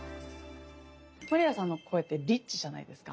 まりやさんの声ってリッチじゃないですか？